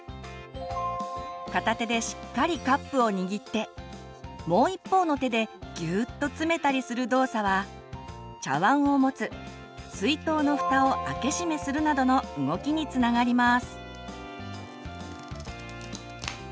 片手でしっかりカップをにぎってもう一方の手でギューッと詰めたりする動作は茶わんを持つ水筒のふたを開け閉めするなどの動きにつながります。